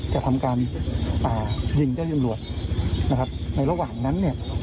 จะทำการอ่ายิงเจ้าหน้าที่ตำรวจนะครับในระหว่างนั้นเนี่ย